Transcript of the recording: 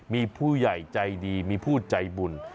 มีผู้ใหญ่ใจดีมีผู้ใจบุญ